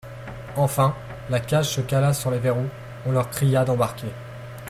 Enfin, la cage se cala sur les verrous, on leur cria d'embarquer.